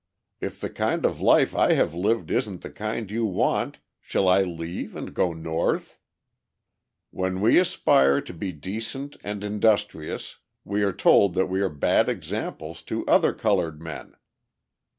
If the kind of life I have lived isn't the kind you want, shall I leave and go North? "When we aspire to be decent and industrious we are told that we are bad examples to other coloured men.